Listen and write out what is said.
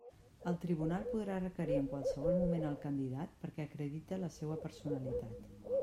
El tribunal podrà requerir en qualsevol moment el candidat perquè acredite la seua personalitat.